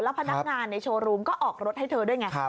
พนักงานในโชว์รูมก็ออกรถให้เธอด้วยไง